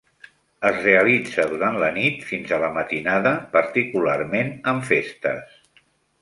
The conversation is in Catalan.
Es realitza durant la nit fins a la matinada, particularment en festes.